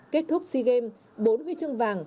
kết thúc sea games bốn huy chương vàng